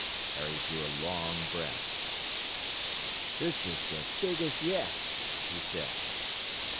Harry drew a long breath. "This is the biggest yet," he said.